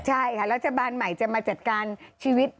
ใช่ค่ะรัฐบาลใหม่จะมาจัดการชีวิต